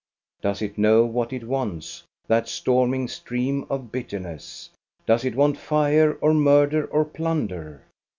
Does it know what it wants, that storming stream of bitterness.' Does it want fire, or murder, or plunder?